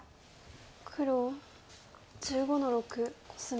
黒１５の六コスミ。